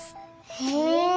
へえ。